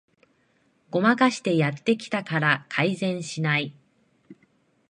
ごまかしてやってきたから改善しない